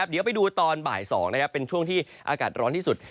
เดี๋ยวไปดูตอนบ่าย๒เป็นช่วงที่อากาศร้อนที่สุด